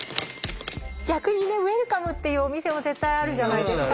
逆にウェルカムっていうお店も絶対あるじゃないですか。